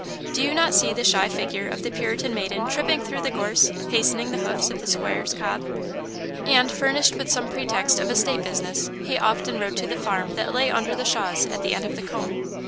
Do you not see the shy figure of the Puritan maiden tripping through the gorse, hastening the hoofs of the squire's cob? And, furnished with some pretext of estate business, he often rode to the farm that lay under the shaws at the end of the coombe.